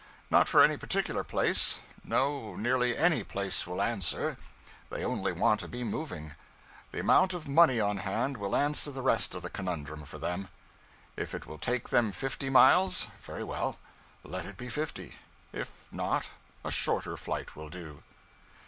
Not for any particular place; no, nearly any place will answer; they only want to be moving. The amount of money on hand will answer the rest of the conundrum for them. If it will take them fifty miles, very well; let it be fifty. If not, a shorter flight will do.